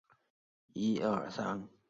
双牌县是一个重要林区。